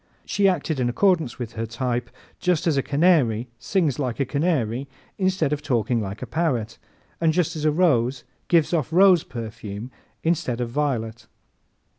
She acted in accordance with her type just as a canary sings like a canary instead of talking like a parrot, and just as a rose gives off rose perfume instead of violet.